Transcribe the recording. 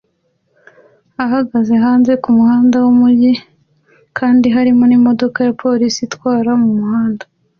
ahagaze hanze kumuhanda wumujyi kandi hari imodoka ya polisi itwara umuhanda